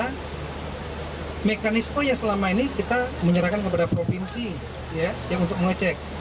karena mekanisme yang selama ini kita menyerahkan kepada provinsi yang untuk mengecek